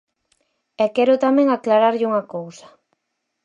E quero tamén aclararlle unha cousa.